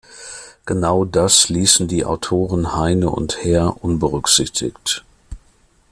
Genau das ließen die Autoren Heine und Herr unberücksichtigt.